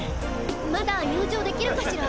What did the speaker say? まだ入場できるかしら？